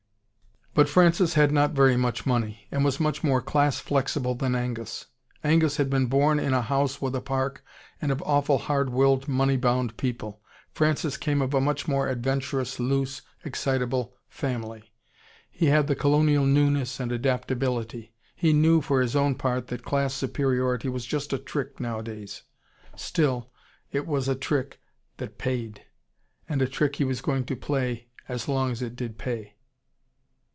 But Francis had not very much money: and was much more class flexible than Angus. Angus had been born in a house with a park, and of awful, hard willed, money bound people. Francis came of a much more adventurous, loose, excitable family, he had the colonial newness and adaptability. He knew, for his own part, that class superiority was just a trick, nowadays. Still, it was a trick that paid. And a trick he was going to play as long as it did pay.